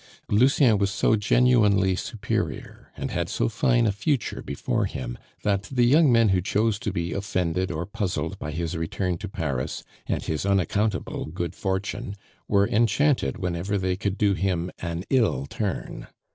Lucien was so genuinely superior, and had so fine a future before him, that the young men who chose to be offended or puzzled by his return to Paris and his unaccountable good fortune were enchanted whenever they could do him an ill turn.